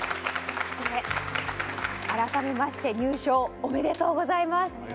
そして改めまして入賞おめでとうございます。